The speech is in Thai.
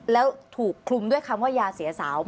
แล้วถูกคลุมด้วยคำว่ายาเสียสาว